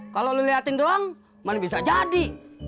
kalau lo liatin doang mana bisa jadi